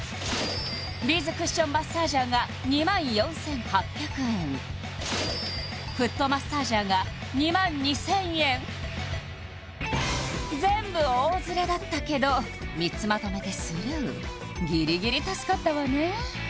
ビーズクッションマッサージャーが２４８００円フットマッサージャーが２２０００円全部大ズレだったけど３つまとめてスルーギリギリ助かったわね